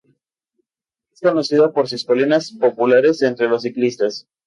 Es conocido por sus colinas, populares entre los ciclistas.